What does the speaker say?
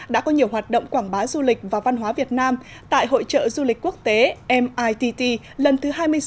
đã có nhiều hoạt động quảng bá du lịch và văn hóa việt nam tại hội trợ du lịch quốc tế mitt lần thứ hai mươi sáu